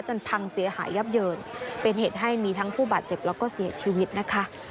พังเสียหายยับเยินเป็นเหตุให้มีทั้งผู้บาดเจ็บแล้วก็เสียชีวิตนะคะ